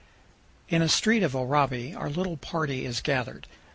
In a street of Oraibi our little party is gathered.